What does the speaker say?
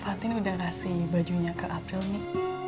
fatin udah kasih bajunya ke april nih